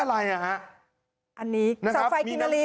อันนี้เสาไฟกินนาลี